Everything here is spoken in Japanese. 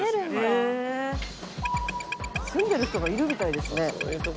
住んでる人がいるみたいですね。